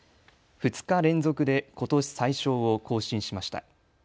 ２日連続でことし最少を更新しました。